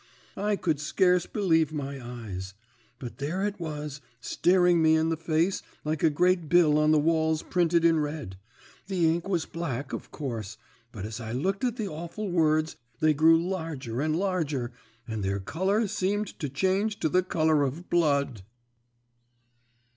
"I could scarce believe my eyes. But there it was, staring me in the face, like a great bill on the walls printed in red. The ink was black, of course, but as I looked at the awful words they grew larger and larger, and their colour seemed to change to the colour of blood."